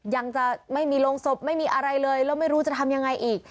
ยังจะไม่มีโรงศพไม่มีอะไรเลยแล้วไม่รู้จะทำยังไงอีก